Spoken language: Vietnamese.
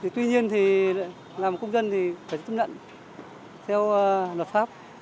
tuy nhiên thì làm công dân thì phải tiếp nhận theo luật pháp